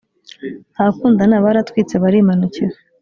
abakundana baratwitse barimanukira